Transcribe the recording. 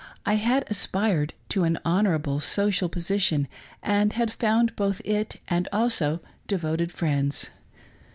I had aspired to an honorable social position, and had found both it and also devoted friends.